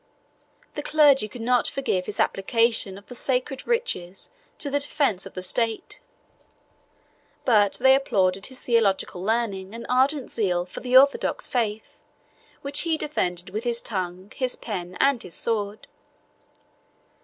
The clergy could not forgive his application of the sacred riches to the defence of the state; but they applauded his theological learning and ardent zeal for the orthodox faith, which he defended with his tongue, his pen, and his sword.